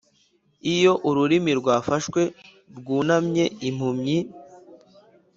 iyo ururimi rwafashwe rwunamye impumyi,